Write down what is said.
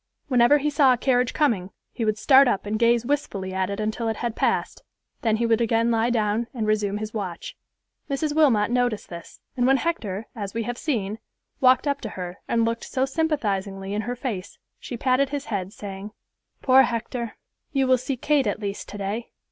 Whenever he saw a carriage coming, he would start up and gaze wistfully at it until it had passed, then he would again lie down and resume his watch. Mrs. Wilmot noticed this, and when Hector, as we have seen, walked up to her and looked so sympathizingly in her face, she patted his head, saying, "Poor Hector; you will see Kate at least today."